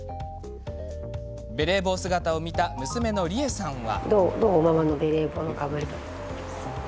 ベレー帽姿を見た娘の莉英さんは？